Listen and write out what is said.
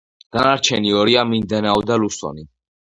დანარჩენი ორია: მინდანაო და ლუსონი.